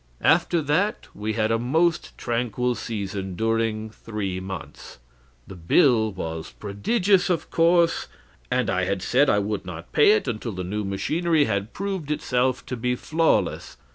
"After that we had a most tranquil season during three months. The bill was prodigious, of course, and I had said I would not pay it until the new machinery had proved itself to be flawless.